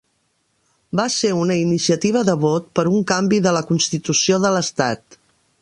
Va ser una iniciativa de vot per un canvi de la constitució de l'estat.